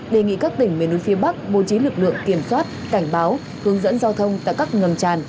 đề nghị các tỉnh miền núi phía bắc bố trí lực lượng kiểm soát cảnh báo hướng dẫn giao thông tại các ngầm tràn